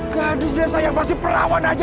gadis desa yang masih perawan aja